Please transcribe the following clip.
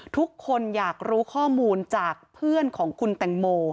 ทุกคนอยากรู้ข้อมูลจากเพื่อนของคุณแตงโม